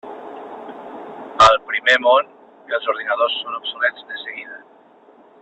Al primer món, els ordinadors són obsolets de seguida.